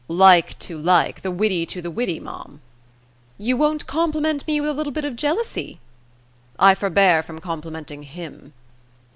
"Like to like: the witty to the witty, ma'am." "You won't compliment me with a little bit of jealousy?" "I forbear from complimenting him."